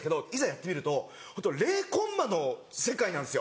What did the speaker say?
やってみるとホント０コンマの世界なんですよ。